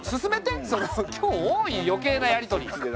今日多い余計なやり取り。